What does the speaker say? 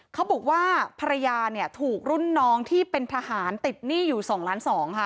เขาบอกว่าภรรยาเนี่ยถูกรุ่นน้องที่เป็นทหารติดหนี้อยู่๒ล้านสองค่ะ